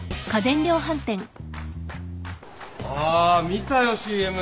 あ見たよＣＭ。